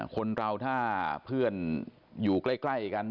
คนเราถ้าเพื่อนอยู่ใกล้กัน